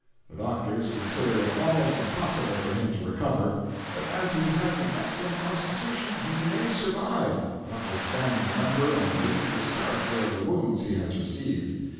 The doctors consider it almost impossible for him to recover, but as he has an excellent constitution he may survive, notwithstanding the number and dangerous character of the wounds he has received.